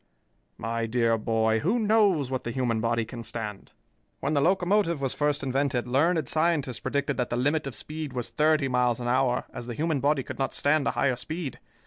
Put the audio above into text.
"My dear boy, who knows what the human body can stand? When the locomotive was first invented learned scientists predicted that the limit of speed was thirty miles an hour, as the human body could not stand a higher speed.